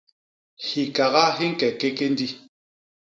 Hikaga hi ñke kékéndi.